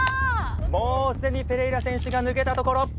もうすでにペレイラ選手が抜けた所。